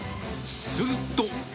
すると。